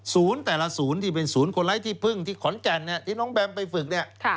แต่ละศูนย์ที่เป็นศูนย์คนไร้ที่พึ่งที่ขอนแก่นที่น้องแบมไปฝึกเนี่ย